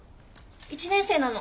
１年生なの。